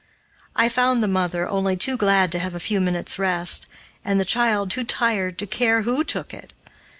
I found the mother only too glad to have a few minutes' rest, and the child too tired to care who took it.